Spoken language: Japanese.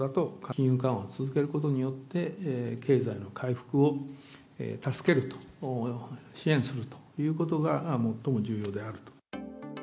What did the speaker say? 金融緩和を続けることによって、経済の回復を助けると、支援するということが最も重要である。